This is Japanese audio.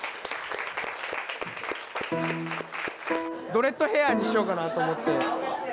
ドレッドヘアにしようかなと思って。